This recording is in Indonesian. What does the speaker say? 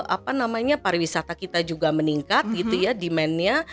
apa namanya pariwisata kita juga meningkat gitu ya demandnya